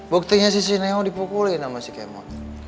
buktinya si sineo dipukulin sama si kmot